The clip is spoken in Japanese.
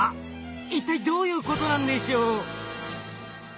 一体どういうことなんでしょう？